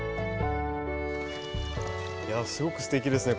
すごくすてきですね